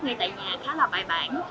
ngay tại nhà khá là bài bản